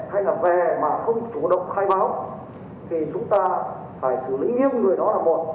hay là về mà không chủ động khai báo thì chúng ta phải xử lý nghiêm người đó là một